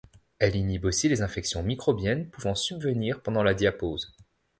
Elle inhibe aussi les infections microbiennes pouvant subvenir pendant la diapause.